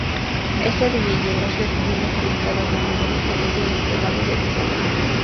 Esta videografía viene publicada en formato paquete desplegable en edición de lujo.